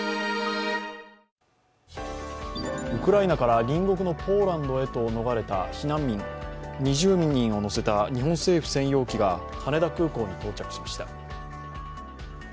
ウクライナから隣国のポーランドへと逃れた避難民２０人を乗せた日本政府専用機が羽田空港に到着しました。